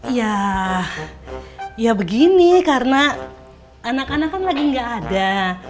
ya ya begini karena anak anak kan lagi nggak ada